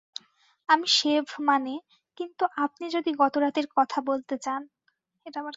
আমি শেভ মানে, কিন্তু আপনি যদি গত রাতের কথা বলতে চান।